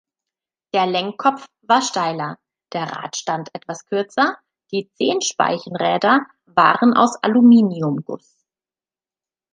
Der Lenkkopf war steiler, der Radstand etwas kürzer, die Zehnspeichen-Räder waren aus Aluminiumguss.